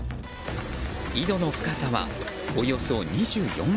井戸の深さはおよそ２４ｍ。